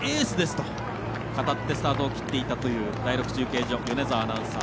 と語ってスタートを切っていたという第６中継所の米澤アナウンサー。